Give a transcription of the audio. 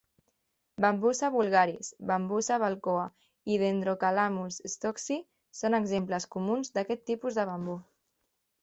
"Bambusa vulgaris", "Bambusa balcooa" i "Dendrocalamus stocksii" són exemples comuns d'aquest tipus de bambú.